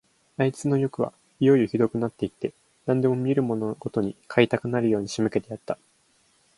あいつのよくはいよいよひどくなって行って、何でも見るものごとに買いたくなるように仕向けてやった。